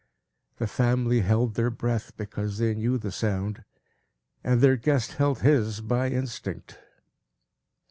The family held their breath, because they knew the sound, and their guest held his, by instinct.